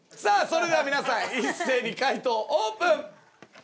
それでは皆さん一斉に解答オープン！